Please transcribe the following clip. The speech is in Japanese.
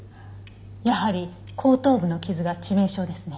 やはり後頭部の傷が致命傷ですね。